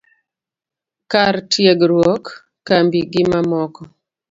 kar tiegruok, kambi, gi mamoko